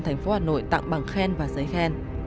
thành phố hà nội tặng bằng khen và giấy khen